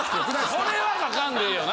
これは書かんでええよな。